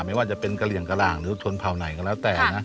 ไม่ว่าจะเป็นกะเหลี่ยงกระหล่างหรือชนเผ่าไหนก็แล้วแต่นะ